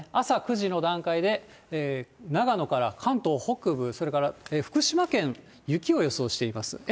朝９時の段階で、長野から関東北部、それから福島県、雪を予想しています。